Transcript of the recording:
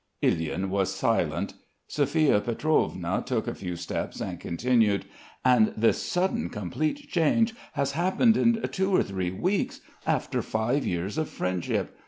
Ilyin was silent. Sophia Pietrovna took a few steps and continued: "And this sudden complete change has happened in two or three weeks after five years of friendship.